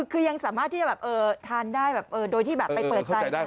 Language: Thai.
คือยังสามารถทานได้โดยที่ไปเปิดใจ